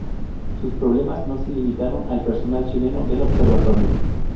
Sus problemas no se limitaron al personal chileno del Observatorio.